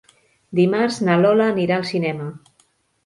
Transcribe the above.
Dimarts na Lola anirà al cinema.